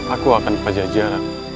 aku akan ke pajajaran